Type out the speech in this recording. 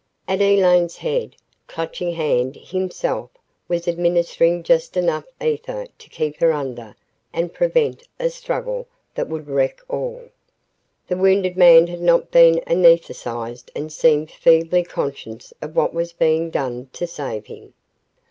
At Elaine's head, Clutching Hand himself was administering just enough ether to keep her under and prevent a struggle that would wreck all. The wounded man had not been anesthetized and seemed feebly conscious of what was being done to save him.